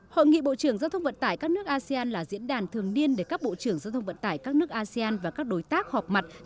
hội nghị bộ trưởng giao thông vận tải các nước asean là diễn đàn thường niên để các bộ trưởng giao thông vận tải các nước asean và các đối tác họp mặt